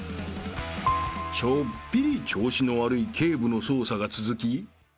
［ちょっぴり調子の悪い警部の捜査が続き］